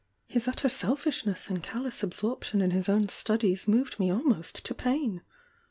"His utter selfishness and calloas absorption in his own studies moved me almost to pain.